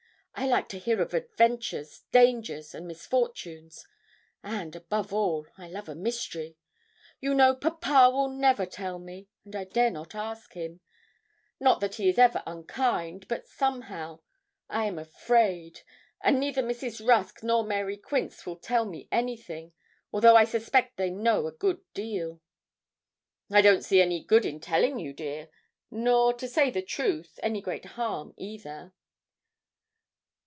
I like to hear of adventures, dangers, and misfortunes; and above all, I love a mystery. You know, papa will never tell me, and I dare not ask him; not that he is ever unkind, but, somehow, I am afraid; and neither Mrs. Rusk nor Mary Quince will tell me anything, although I suspect they know a good deal.' 'I don't see any good in telling you, dear, nor, to say the truth, any great harm either.'